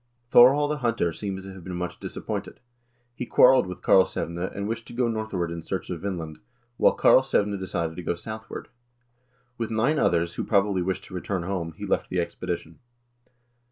Thorhall the Hunter seems to have been much disappointed. He quarreled with Karlsevne, and wished to go northward in search of Vinland, while Karlsevne decided to go southward. With nine others, who probably wished to return home, he left the expedition.